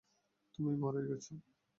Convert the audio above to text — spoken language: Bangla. তুমি মরেই গেছো।